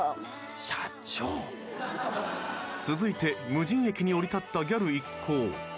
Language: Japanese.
［続いて無人駅に降り立ったギャル一行］